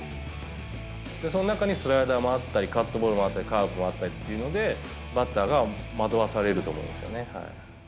その中にスライダーもあったり、カットボールもあったり、カーブもあったりというので、バッターが惑わされると思うんですよね。